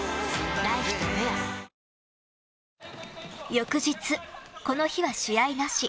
翌日この日は試合なし。